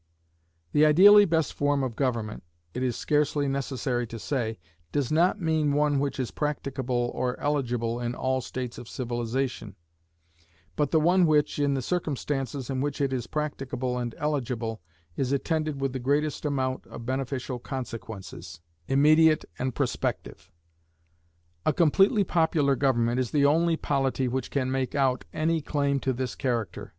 The ideally best form of government, it is scarcely necessary to say, does not mean one which is practicable or eligible in all states of civilization, but the one which, in the circumstances in which it is practicable and eligible, is attended with the greatest amount of beneficial consequences, immediate and prospective. A completely popular government is the only polity which can make out any claim to this character.